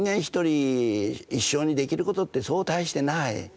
一人一生にできることってそう大してない。